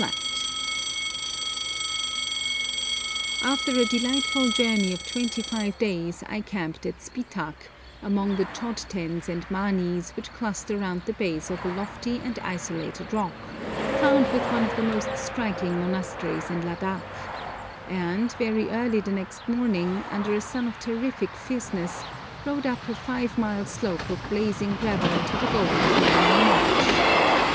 [Illustration: GONPO OF SPITAK] After a delightful journey of twenty five days I camped at Spitak, among the chod tens and manis which cluster round the base of a lofty and isolated rock, crowned with one of the most striking monasteries in Ladak, and very early the next morning, under a sun of terrific fierceness, rode up a five mile slope of blazing gravel to the goal of my long march.